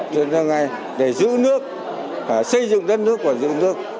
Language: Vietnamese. chúng ta ngay để giữ nước xây dựng đất nước và giữ nước